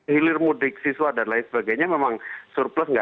hilir mudik siswa dan lain sebagainya memang surplus nggak